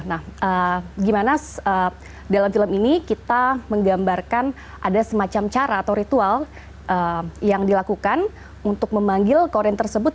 nah gimana dalam film ini kita menggambarkan ada semacam cara atau ritual yang dilakukan untuk memanggil koren tersebut